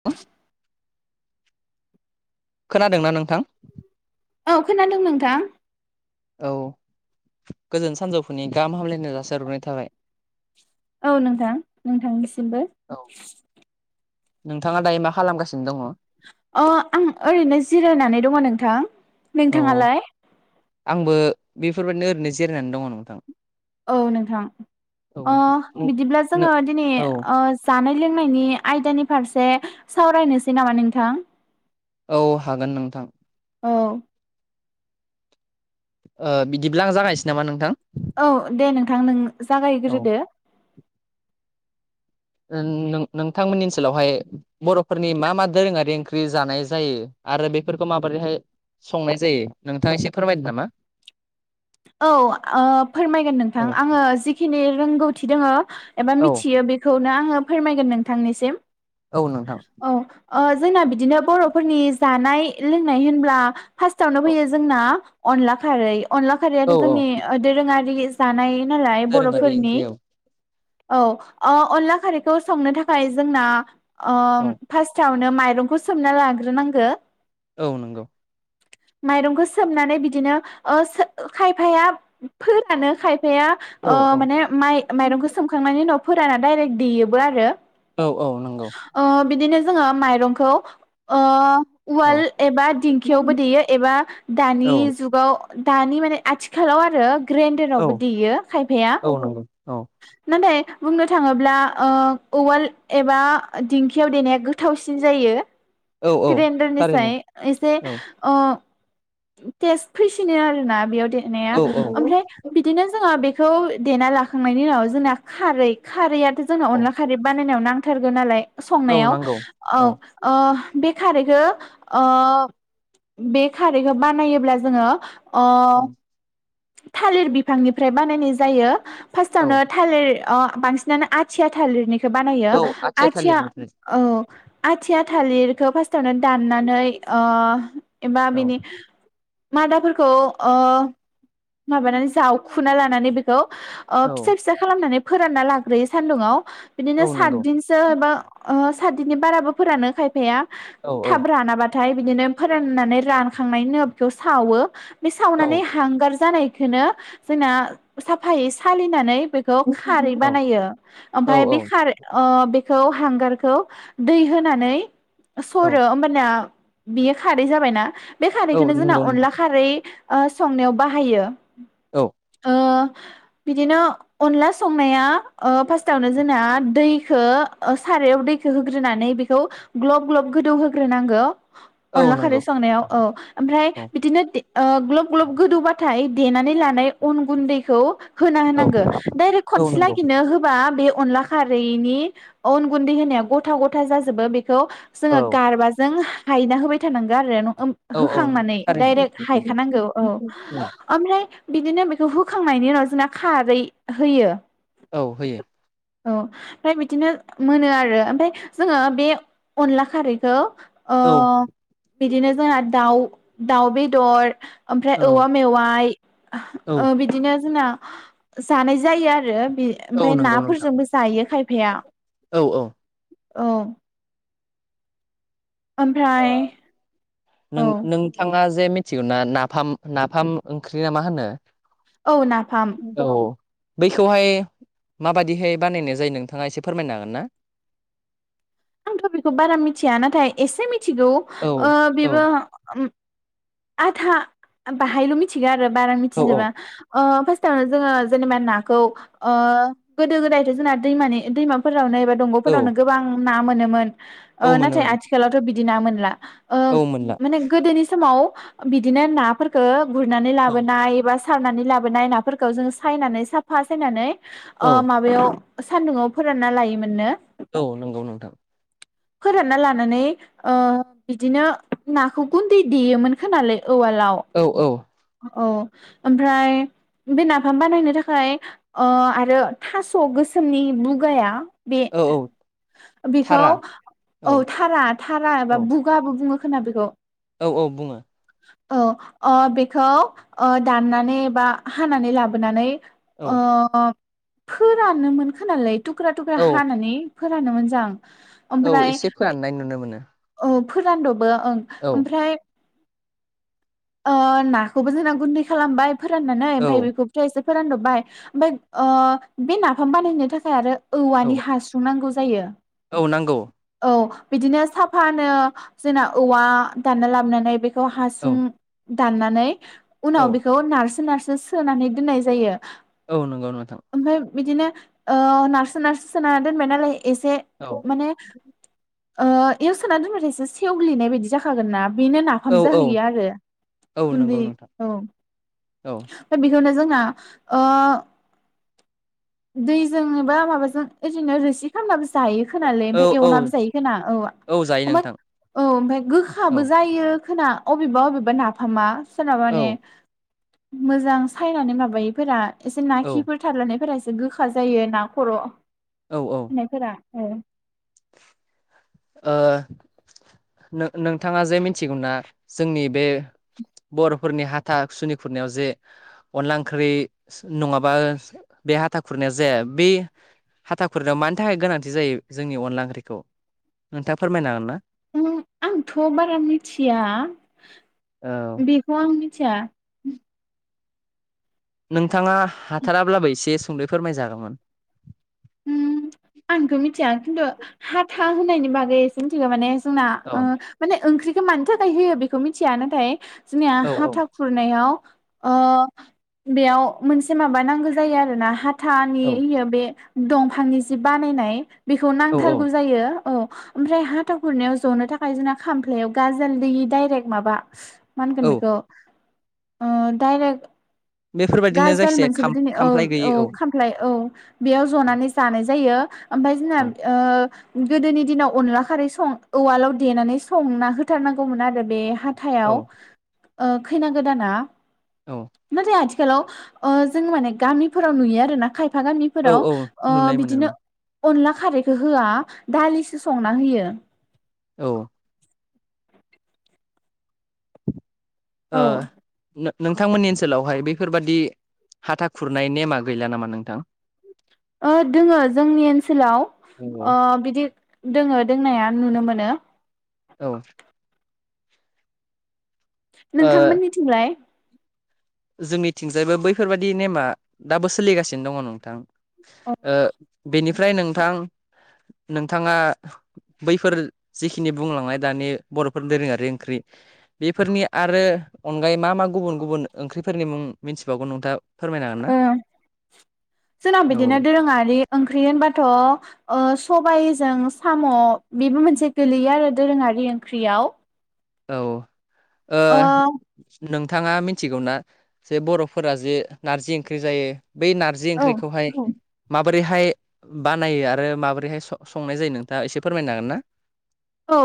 [inaudible] खोनादोंना नोंथां औ खोनादों नोंथां औ गोजोन सानजौफुनि गाहाम हामलायनो जासिहरग्रोनाय थाबाय औ नोंथां नोंथांनिसिमबो। औ नोंथाङा दायो मा खालामगासिनो दङ? अ आं ओरैनो जिरायनानै दङ नोंथां औ नोंथाङालाय आंबो बेफोरबायदिनो ओरैनो जिरायनानै दङ नोंथां औ नोंथां औ अ बिदिब्ला जोङो दिनै औ ओ जानाय लोंनायनि आयदानि फारसे सावरायनोसै नामा नोंथां औ हागोन नोंथां औ ओ बिदिब्ला आं जागायनोसै नामा नोंथां औ दे नोंथां नों औ जागायग्रोदो ओं नों नोंथांमोननि ओनसोलावहाय बर'फोरनि मा मा दोरोङारि ओंख्रि जानाय जायो आरो बेफोरखौ माबोरैहाय संनाय जायो नोंथाङा एसे फोरमायदों नामा औ ओ फोरमायगोन औ नोंथां आङो जिखिनि रोंगौथि दङ एबा औ मिथियो बेखौनो आङो फोरमायगोन नोंथांनिसिम औ नोंथां औ ओ जोंना बिदिनो बर'फोरनि जानाय लोंनाय होनब्ला फार्स्टावनो औ फैयो जोंना अनला खारै अनला खारैयाथ' औ औ जोंनि दोरोङारि जानाय नालाय दोरोङारि बर'फोरनि ओंख्रि औ औ अ अनला खारैखौ संनो थाखाय जोंना औ ओम फार्स्टावनो माइरंखौ सोमना लाग्रोनांगो औ नोंगौ माइरंखो सोमनानै बिदिनो ओ सो खायफाया फोरानो खायफाया औ ओ औ माने माइ माइरंखौ सोमखांनायनि उनाव फोराना डाइरेक्ट देयोबो आरो औ औ नंगौ ओ बिदिनो जोङो माइरंखौ ओ औ उवाल एबा दिंखियावबो देयो एबा दानि औ जुगाव दानि मान ने आथिखालाव आरो औ ग्रेनडारावबो देयो खायफाया। औ नंगौ औ नाथाय बुंनो थाङोब्ला ओ उवाल एबा दिंखियाव देनाया गोथावसिन जायो। [inaudible] थारैनो ग्रेन्दारनिसाय एसे औ अ टेस्ट फैसिनो आरोना बेयाव देरनाया औ औ ओमफ्राय बिदिनो जोङो बेखौ देना लाखांनायनि उनाव जोंना खारै खारैयाथ' जोंनो औ अनला खारै बानायनायाव नांथारगो नालाय औ संनायाव नांगौ औ ओ बे खारैखो ओ बे खारैखो बानायोब्ला जोङो ओ [inaudible] थालिर बिफांनिफ्राय बानायनाय जायो फास्टआवनो औ थालिर अ बांसिनानो आथिया थालिरनिखो बानायो औ आथिया थालिरनिफ्राय औ। आथिया थालिरखौ फास्टावनो दाननानै अ एबा औ बिनि मादाफोरखौ अ माबानानै जावखुना लानानै बेखौ ओ औ फिसा फिस सा खालामनानै फोरानना लाग्रोयो सान्दुङाव बिदिनो औ सात नंगौ दिन सो बा ओ सात दिननि बाराबो फोरानो खायफाया औ औ थाब रानाबा थाय बिदिनो फोराननानै रानखांनायनि उनाव बेखौ सावो बे औ सावनानै हांगार जानायखोनो जोंना साफायै सालिनानै बेख खौ खारै बानायो औ ओमफ्राय बे खारै अ बेखौ हांगारखौ दै होनानै औ सरो ओमबाना बियो खारै जाबायना बे औ खारैखोनो जोंना नंगौ नोंथां अनला खारै ओ संनायाव बाहायो। ओ बिदिनो अनला संनाया ओ फास्टावनो जोंना दैखो सारायाव दै खो होग्रोनानै बेखौ ग्लब ग्लब गोदौ होग्रोनांगौ। औ अनला खारै नंगौ संनायाव औ ओमफ्राय बिदिनो दे ग्लब ग्लब गोदौबा थाय देनानै लानाय अन गुन्दैखौ होना औ होनांगो डाइरेक्ट औ खनसे नंगौ लागिनो होबा बे अनला खारैनि अन गुन्दै होनाया गथा गथा जाजोबो बेखौ जोङो औ गारबाजों हायना होबाय थानांगो आरो ओम औ औ नंगौ होखांनानै थारैनो डाइरेक्ट हायखानांगौ औ। ओमफ्राय बिदिनो बेखौ होखांनायनि उनाव जोंना खारै होयो। औ होयो। औ ओमफ्राय बिदिनो मोनो आरो ओमफ्राय जोङो बे अनला खारैखौ ओ औ। बिदिनो जोंना दाउ दाउ बेदर ओमफ्राय औ औवा मेवाइ ओ बिदिनो जोंना जानाय जायो आरो बे औ औ ओमफाय नंगौ नोंथां नाफोरजोंबो जायो खायफाया औ औ। ओमफ्राय ओ नों औ नों नोंथाङा जे मिथिगौ ना नाफाम नाफाम ओंख्रिया मा होनो? औ नाफाम। औ बैखौहाय माबायदिहाय बानायनाय जायो नोंथाङा एसे फोरमायनो हागोन ना? आंथ' बेखौ बारा मिथिया नाथाय एसे मिथिगौ औ ओ औ बेबो आधा बाहायल' मिथिगो आरो बारा औ मिथिजोबा। ओ फास्टावनो जोङो जेनेबा नाखौ ओ गोदो गोदायथ' जोंना दैमानि दैमाफोरावनो एबा औ दंग'फोरावनो गोबां ना मोनोमोन औ ओ नाथाय मोनोमोन आथिखालावथ' बिदि ना मोनला। ओ औ मोनला माने गोदोनि समाव बिदिनो नाफोरफोरखो गुरनानै औ लाबोनाय बा सारनानै लाबोनाय नाफोरखौ जों सायनानै साफा सायनानै ओ औ माबायाव सान्दुङाव फोरानना लायोमोननो। औ नंगौ नोंथां। फोरानना लानानै ओ बिदिनो नाखौ गुन्दै देयोमोन खोमालै उवालाव। औ औ। औ ओमफ्राय बे नाफाम बानायनो थाखाय ओ आरो थास' गोसोमनि बुगाया बे औ औ बेखौ थारा औ धारा धारा एबा औ बु गाबो बुङो खोमा बेखौ। औ औ बुङो। औ ओ बेखौ ओ दाननानै बा हानानै लाबोनानै औ ओ फोरानोमोन खोमालै थुख्रा थुख्रा औ हानानै। फोरानो मोनजांं औ ओमफ्राय एसे फोराननाय नुनो मोनो ओ फोरानदबो ओं औ ओमफ्राय ओ नाखौबो जोंना गुन्दै खालामबाय फोराननानै ओमफ्राय औ बेखौ खौ एसे फोरानदबबाय ओमफ्राय ओ बे नाफाम बानायनो थाखाय आरो औ औवानि हासुं नांगौ जायो। औ नांगौ। औ बिदिनो साफानो जोंना औवा दानना लाबोनानै बे खौ औ हासुं दाननानै औ उनाव बे खौ नारसो नारसो सोनानै दोननाय जायो। औ नंगौ नोंथां। ओमफ्राय बिदिनो ओ‌ नारसो‌ नारसो‌ सोना दोनबाय नालाय एसे औ। माने ओ‌ एआव सोना दोनबाथाय एसे सेवग्लिनाय बायदि जाखागोन ना बेनो ना औ नाफाम औ जाहैयो आरो। औ गुन्दै नंगौ नोंथां औ औ ओमफ्राय बेखौनो जोंना ओ दैजों एबा माबाजों एरैन रोसि खामनाबो जायो खोमालै औ ओमफ्राय औ एवनाबो जायो खोमा औ। जायो नोंथां ओमफ्राय औ ओमफ्राय औ गोखाबो जायो खोना। अबेबा अबेबा नाफामा सोरनाबा औ माने मोजां सायनानै माबायैफोरा एसे ना खिफोर थालानायफोरा एसे गोखा जायो ना खर' औ औ। [unintelligible] ओ नों नोंथाङा जे मिथिगौना जोंनि बे बर'फोरनि हाथा सुनि खुरनायाव जे अनला ओंख्रि नङाबा बे हाथा खुरनाया जाया बे हाथा खुरनायाव मानि थाखाय गोनांथि जायो जोंनि अनला ओंख्रिखौ नोंथाङा फोरमायनो हागोन ना? उम आंथ' बारा मिथिया औ बेखौ आं मिथिया। नोंथाङा हाथाराब्लाबो एसे सुंदै फोरमाय जागौमोन। उम आंथ' मिथिया खिन्थु हाथा होनायनि बागै एसे मिथिगौ माने जोंना औ ओ माने ओंख्रिखौ मानि थाखाय होयो बेखौ मिथिया नाथाय जोंनिया औ हाथा खुरनायाव ओ बेयाव मोनसे माबा नांगौ जायो आरो ना हा औ हाथानि बे दंफांनि जि बानायनाय बेखौ औ औ नांथारगौ जायो औ। ओमफ्राय हाथा खुरनायाव जनो थाखाय जोंना खामफ्लायाव गाजोल दोयि डाइरेक्ट माबा मा होनगोन औ बेखौ ओ डाइरेक्ट बेफोरबायदिनो गाजोल जायखिजाया मोनसेबो खाम दोनि औ खामफ्लाय गैयि औ खामफ्लाय औ। बेयाव जनानै जानाय जायो ओमफ्राय जोंना औ ओ गोदोनि दिनाव अनला खारै सं उवालाव देनानै संना होथारनांगौमोन आरो बे हा औ थायाव ओ खैना गोदाना औ नाथाय आथि हेलौ ओ जों माने गामिफोराव नुयो आरोना खायफा औ गामिफोराव औ ओ नुनाय मोनो बिदिनो अनला खारैखो होया दालिसो संना होयो औ ओ औ नो नोंथांमोननि ओनसोलावहाय बेफोरबादि हाथा खुरनाय नेमा गैला नामा नोंथां? ओ दोङो जोंनि ओनसोलाव नंगौ ओ बिदि दोङो दोंनाया नुनो मोनो। औ ओ नोंथां मोननिथिंलाय जोंनिथिंजायबो बैफोरबायदि नेमा दाबो सोलिगासिनो दङ नोंथां ओ बेनिफ्राय नोंथां नोंथाङा बैफोर जिखिनि बुंलांनाय दानि बर'फोर दोरोङारि ओंख्रि बेफोरनि आरो अनगायै मा मा गुबुन गुबुन ओंख्रिफोरनि मुं मिथिबावगोन नोंथाङा? फोरमायनो हागोन ना? ओ जोंना औ बिदिनो दोरोङारि ओंख्रि होनबाथ' ओ सबाइजों साम' बेबो मोनसे गोलैयो आरो दोरोङारि ओंख्रियाव औ ओ नोंथाङा मिथिगौ ना जे बर'फोरा जे नारजि ओंख्रि जायो बै नारजि औ ओंख्रिखौहाय माबोरैहाय बानायो आरो माबोरैहाय स-संनाय जायो नोंथाङा एसे फोरमायनो हागोन ना? औ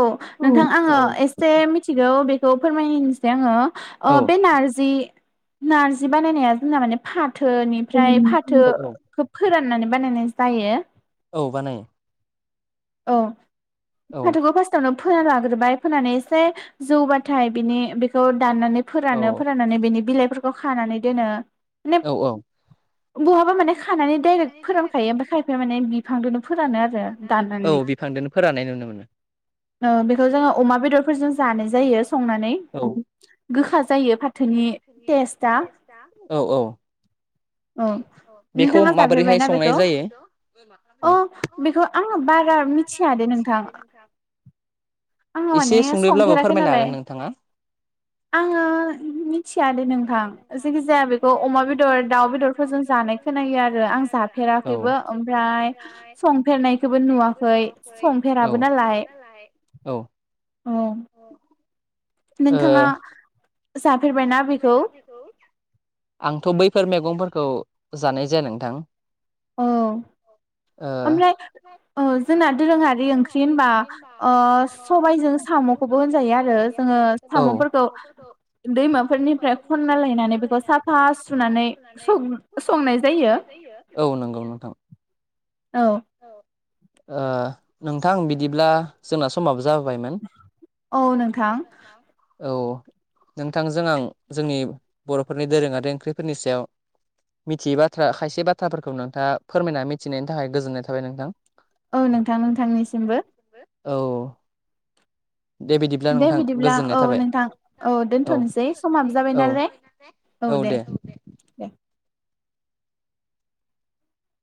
नोंथां औ आङो एसे मिथि गौ बेखौ फोरमायनिसै आङो औ बे नारजि नारजि बानायनाया जोंना माने फाथोनिफ्राय फाथो औ औ खोब फोराननानै बानायनाय जायो औ बानायो औ औ फाथोखौ फार्स थावनो फोना लाग्रोबाय फोनानै एसे जौबाथाय बिनि बेखौ दाननानै औ फोरानो फोरान माने बेनि बिलाइफोरखौ खानानै दोनो माने औ औ बहाबा माने खानानै डाइरेक्ट फोरानखायो ओमफ्राय खायफाया माने बिफांदोनो फोरानो आरो दान औ बिफांदोनो फोराननाय नुनो मोनो। ओ बेखौ जोङो अमा बेदरफोरजों जानाय जायो संनानै औ गोखा जायो फाथोनि टेस्टआ औ औ अ बेखौ नोंथाङा माबोरैहाय जाफेरबायना संनाय बेखौ जायो अ औ बेखौ आं बारा मिथियादे नोंथां आङो एसे माने सुंद'ब्लाबो संफेराखै फोरमायनो हागोन नालाय नोंथाङा आङो मि थिया दे नोंथां जायखि जाया बेखौ अमा बेदर दाउ बेदरफोरजों जानाय खोनायो आरो आं जा फेराखैबो ओमफ्राय संफेरनाय औ औ नालाय औ नोंथाङा ओ जाफेरबायना बेखौ? हेलौ आंथ' बैफोर मैगंफोरखौ जानाय जाया नोंथां औ ओ ओमफ्राय ओ जोंना दोरोङारि ओंख्रि होनबा ओ सबायजों सामखौबो होनजायो आरो जोङो औ साम'फोरखौ दैमाफोरनिफ्राय खनना लायनानै बेखौ साफा सुनानै सं-संनाय जायो। औ नंगौ नोंथां औ ओ नोंथां बिदिब्ला जोंना समाबो जाबोबायमोन औ नोंथां औ नोंथां औ नोंथांजों आं जोंनि बर फोरनि दोरोङारि ओंख्रिफोरनि सायाव मिथियै बाथ्रा खायसे बाथ्राफोरखौ नोंथाङा फोरमायना मिथिनायनि थाखाय गोजोननाय थाबाय नोंथां औ नोंथां नोंथांनिसिमबो औ दे बिदिब्ला दे नोंथां बिदिब्ला गोजोननाय औ थाबाय नोंथां औ दोनथ'नोसै समाबो जाबाय औ नालाय औ दे दे